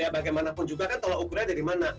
bagaimanapun juga kan tolak ukurannya dari mana